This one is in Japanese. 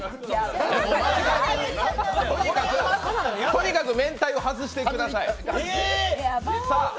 森田君、とにかくめんたいを外してください。